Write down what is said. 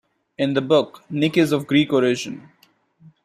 In the book, Nick is of Greek origin.